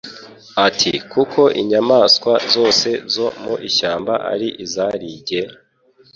ati: «kuko inyamaswa zose zo mu ishyamba ari izarijye,